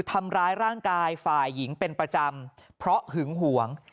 ทำร้ายร่างกายฝ่ายหญิงเป็นประจำเพราะหึงหวง